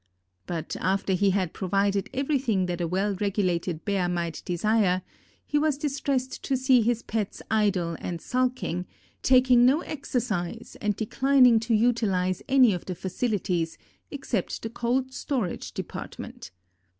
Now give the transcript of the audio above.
But after he had provided everything that a well regulated bear might desire, he was distressed to see his pets idle and sulking, taking no exercise and declining to utilize any of the facilities except the cold storage department.